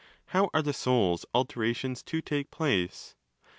How are the soul's 'alterations' to take place?